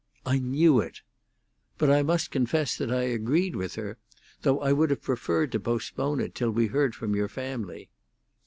"I knew it!" "But I must confess that I agreed with her, though I would have preferred to postpone it till we heard from your family."